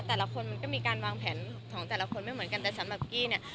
แต่ละคนมันก็มีการวางแผนของแต่ละคนไม่เหมือนกันแต่สำหรับกี้เนี่ย